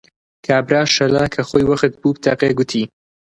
کابرا شەلە کە خۆی وەخت بوو بتەقێ، گوتی: